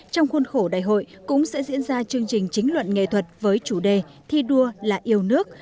trong khuôn khổ đại hội cũng sẽ diễn ra chương trình chính luận nghệ thuật với chủ đề thi đua là yêu nước